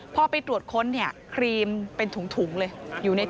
พอไปตรวจค้นเนี่ยครีมเป็นถุงเลย